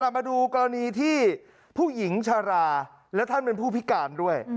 มาดูกรณีที่ผู้หญิงชะลาและท่านเป็นผู้พิการด้วย